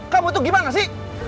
kamu itu gimana sih